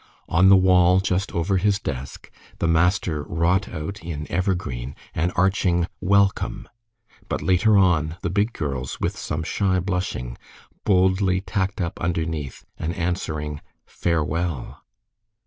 On the wall just over his desk, the master wrought out in evergreen an arching "WELCOME," but later on, the big girls, with some shy blushing, boldly tacked up underneath an answering "FAREWELL."